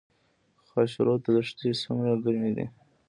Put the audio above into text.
خاشرود دښتې څومره ګرمې دي؟